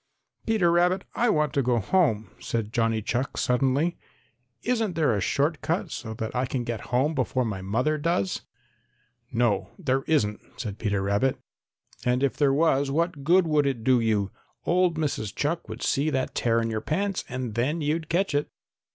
"Peter Rabbit, I want to go home," said Johnny Chuck suddenly. "Isn't there a short cut so that I can get home before my mother does?" "No, there isn't," said Peter Rabbit. "And if there was what good would it do you? Old Mrs. Chuck would see that tear in your pants and then you'd catch it!"